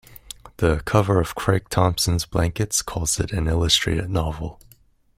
The cover of Craig Thompson's "Blankets" calls it "an illustrated novel.